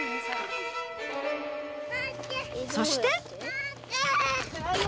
そして。